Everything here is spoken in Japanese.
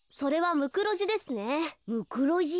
ムクロジ？